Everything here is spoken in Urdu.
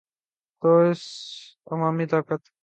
تو اس عوامی طاقت کا انہیں فائدہ کیا ہو گا؟